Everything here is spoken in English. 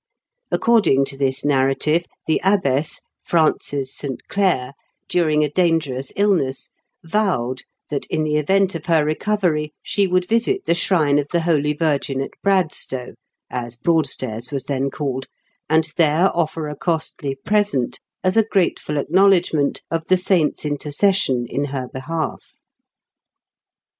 According to this narrative, the abbess, Frances St. Clair, during a dangerous illness, vowed that, in the event of her recovery, she would visit the shrine of the Holy Virgin at Bradstow — as Broadstairs was then called — and there offer a costly present as a grateful acknowledgment of the saint's intercession in her behalf.